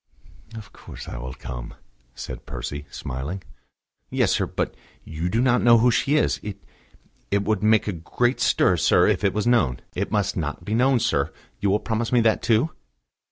"Of course I will come," said Percy, smiling. "Yes, sir; but you do not know who she is. It it would make a great stir, sir, if it was known. It must not be known, sir; you will promise me that, too?"